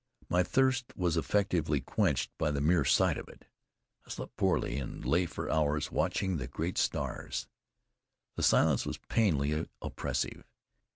My thirst was effectually quenched by the mere sight of it. I slept poorly, and lay for hours watching the great stars. The silence was painfully oppressive.